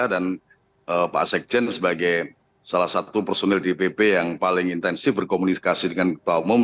dan pak sekjen sebagai salah satu personil dpp yang paling intensif berkomunikasi dengan ketua umum